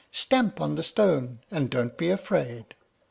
Stamp on the stone, and don't be afraid."